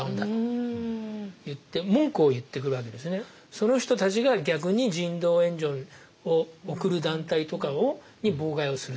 その人たちが逆に人道援助を送る団体とかに妨害をすると。